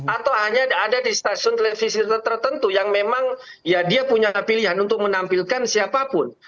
atau hanya ada di stasiun televisi tertentu yang memang ya dia punya pilihan untuk menampilkan siapapun